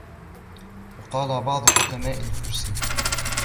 وَقَالَ بَعْضُ حُكَمَاءِ الْفُرْسِ